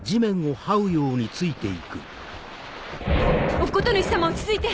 乙事主様落ち着いて！